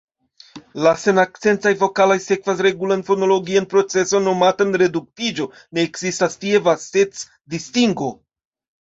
La senakcentaj vokaloj sekvas regulan fonologian procezon nomatan reduktiĝo: ne ekzistas tie vastec-distingo.